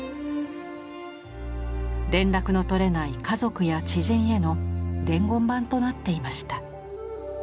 連絡の取れない家族や知人への伝言板となっていました。